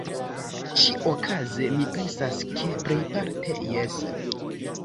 Ĉi-okaze mi pensas, ke plejparte jes.